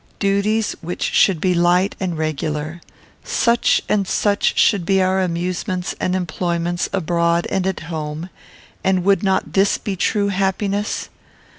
Duties which should be light and regular. Such and such should be our amusements and employments abroad and at home: and would not this be true happiness?